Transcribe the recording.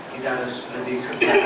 kita harus lebih keras lagi